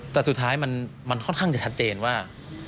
แต่สุดท้ายมันค่อนข้างจะชัดเจนว่า